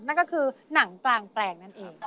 นั่นก็คือหนังกลางแปลงนั่นเอง